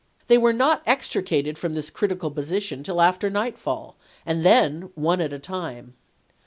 They were not extri cated from this critical position till after nightfall, and then one at a time.